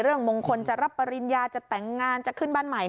มงคลจะรับปริญญาจะแต่งงานจะขึ้นบ้านใหม่